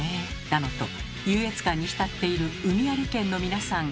だのと優越感に浸っている海あり県の皆さん。